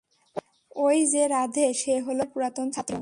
ঐ যে রাধে, সে হলো কলেজের পুরাতন ছাত্র।